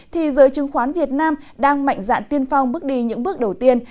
thì giới chứng khoán việt nam đang mạnh dạn tiên phong bước đi những bước đầu tiên